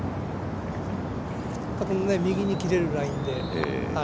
右に切れるラインで。